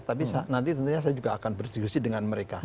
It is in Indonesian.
tapi nanti tentunya saya juga akan berdiskusi dengan mereka